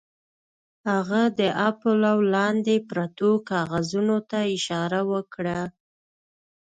هغه د اپولو لاندې پرتو کاغذونو ته اشاره وکړه